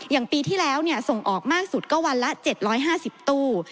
อย่างปีที่แล้วส่งออกมากสุดก็วันละ๗๕๐ตู้